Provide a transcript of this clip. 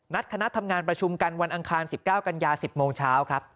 คณะทำงานประชุมกันวันอังคาร๑๙กันยา๑๐โมงเช้าครับ